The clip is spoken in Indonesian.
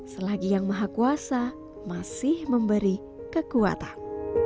selagi yang maha kuasa masih memberi kekuatan